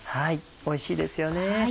おいしいですよね。